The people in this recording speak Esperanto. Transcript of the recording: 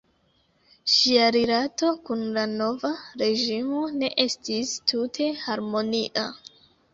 Ŝia rilato kun la nova reĝimo ne estis tute harmonia.